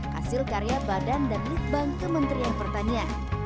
hasil karya badan dan litbang kementerian pertanian